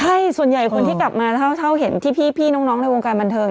ใช่ส่วนใหญ่คนที่กลับมาเท่าเห็นที่พี่น้องในวงการบันเทิง